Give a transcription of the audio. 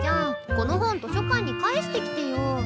この本図書館に返してきてよ。